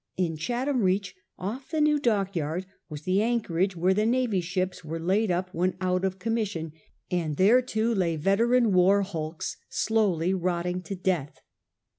In Chatham reach, off the new dockyard, was the anchorage where the navy ships were laid up when out of commission, and there too lay veteran war hulks slowly rotting to death.